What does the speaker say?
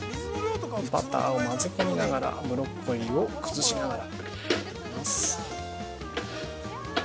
バターを混ぜ込みながらブロッコリーを崩しながら。